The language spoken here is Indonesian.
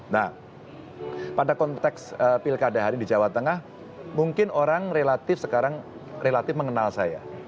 nah pada konteks pilkada hari di jawa tengah mungkin orang relatif sekarang relatif mengenal saya